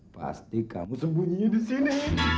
pasti kamu sembunyinya disini